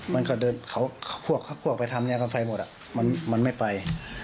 มันก็เดินเข้าควอกไปทำแนวกันไฟหมดมันไม่ไป